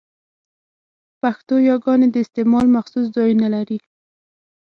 پښتو يګاني د استعمال مخصوص ځایونه لري؛